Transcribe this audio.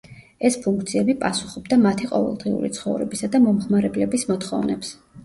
ეს ფუნქციები პასუხობდა მათი ყოველდღიური ცხოვრებისა და მომხმარებლების მოთხოვნებს.